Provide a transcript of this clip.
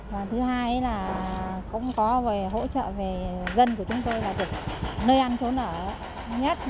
còn thứ hai là cũng có về hỗ trợ về dân của chúng tôi là được nơi ăn trốn ở nhất